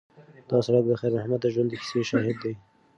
دا سړک د خیر محمد د ژوند د کیسې شاهد دی.